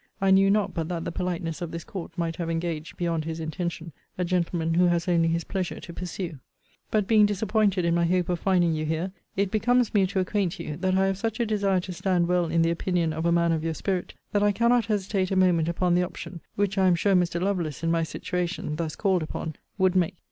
I knew not but that the politeness of this court might have engaged, beyond his intention, a gentleman who has only his pleasure to pursue. But being disappointed in my hope of finding you here, it becomes me to acquaint you, that I have such a desire to stand well in the opinion of a man of your spirit, that I cannot hesitate a moment upon the option, which I am sure Mr. Lovelace in my situation (thus called upon) would make.